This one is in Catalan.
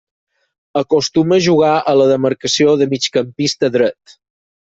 Acostuma a jugar a la demarcació de migcampista dret.